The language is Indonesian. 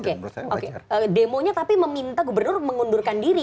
oke demonya tapi meminta gubernur mengundurkan diri